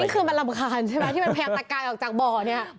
คือมันรำคาญใช่ไหมที่มันพยายามตะกายออกจากบ่อเนี่ย